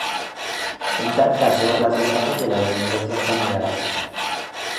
En tal caso, las ventajas de la redundancia son negadas.